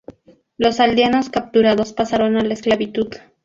Los aldeanos capturados pasaron a la esclavitud.